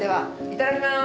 いただきます。